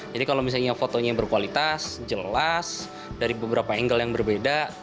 jadi kalau misalnya fotonya berkualitas jelas dari beberapa angle yang berbeda